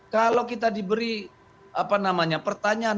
kalau kita diberi pertanyaan